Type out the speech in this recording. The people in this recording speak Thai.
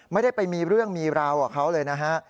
ไม่ได้ไปมีเรื่องมีราวกับเขาเลยนะฮะ